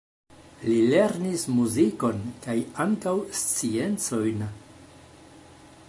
Li lernis muzikon kaj ankaŭ sciencojn.